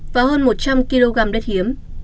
và hơn một trăm linh kg đất hiếm